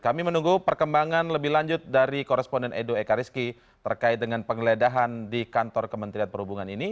kami menunggu perkembangan lebih lanjut dari koresponden edo ekariski terkait dengan penggeledahan di kantor kementerian perhubungan ini